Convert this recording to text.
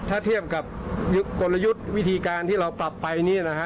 ถ้าเทียบกับกลยุทธ์วิธีการที่เราปรับไปนี่นะฮะ